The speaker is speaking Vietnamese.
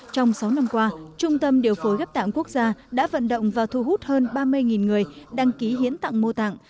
trong sáu năm qua trung tâm điều phối ghép tạng quốc gia đã vận động và thu hút hơn ba mươi người đăng ký hiến tặng mô tặng